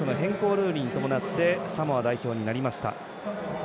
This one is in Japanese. ルールに伴ってサモア代表になりました。